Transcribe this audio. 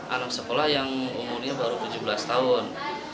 anak sekolah yang umurnya baru tujuh belas tahun